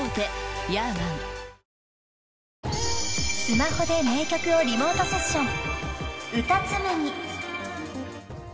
［スマホで名曲をリモートセッション］